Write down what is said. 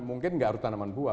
mungkin nggak harus tanaman buah